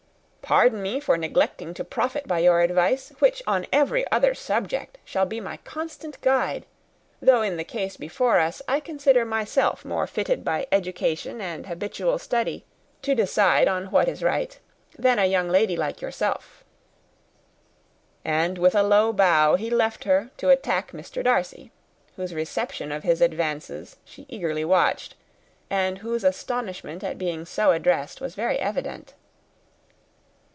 Pardon me for neglecting to profit by your advice, which on every other subject shall be my constant guide, though in the case before us I consider myself more fitted by education and habitual study to decide on what is right than a young lady like yourself;" and with a low bow he left her to attack Mr. Darcy, whose reception of his advances she eagerly watched, and whose astonishment at being so addressed was very evident.